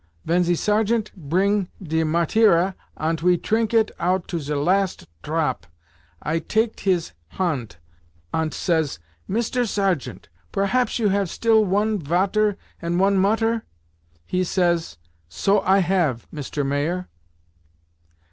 Ven ze sergeant pring ze Mateira ant we trink it out to ze last trop, I taket his hant ant says, 'Mister Sergeant, perhaps you have still one Vater and one Mutter?' He says, 'So I have, Mister Mayer.